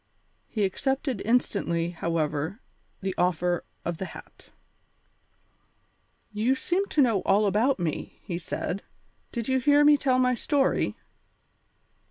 He accepted instantly, however, the offer of the hat. "You seem to know all about me," he said; "did you hear me tell my story?"